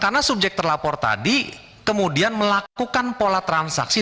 karena subjek terlapor tadi kemudian melakukan pola transaksi